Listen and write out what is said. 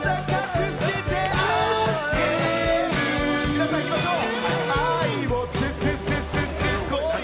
皆さん、いきましょう。